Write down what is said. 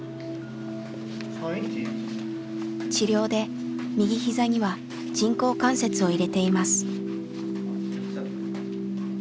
治療で右ひざには人工関節を入れています。